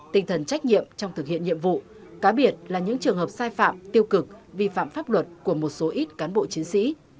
tinh thần trách nhiệm trong thực hiện nhiệm vụ cá biệt là những trường hợp sai phạm tiêu cực vi phạm pháp luật của một số ít cán bộ chiến sĩ